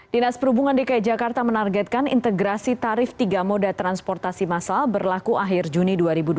dinas perhubungan dki jakarta menargetkan integrasi tarif tiga moda transportasi masal berlaku akhir juni dua ribu dua puluh